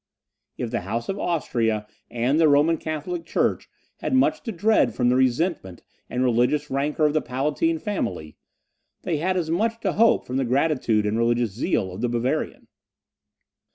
If the House of Austria and the Roman Catholic church had much to dread from the resentment and religious rancour of the Palatine family, they had as much to hope from the gratitude and religious zeal of the Bavarian.